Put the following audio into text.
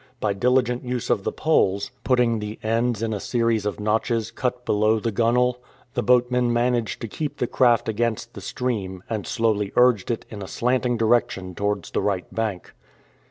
By diligent use of the poles, putting the ends in a series of notches cut below the gunwale, the boatmen managed to keep the craft against the stream, and slowly urged it in a slanting direction towards the right bank.